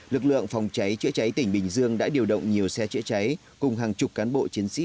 lực lượng phòng cháy chữa cháy tỉnh bình dương đã điều động nhiều xe chữa cháy cùng hàng chục cán bộ chiến sĩ